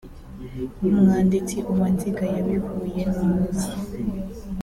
Umwanditsi Uwanziga yabivuye imuzi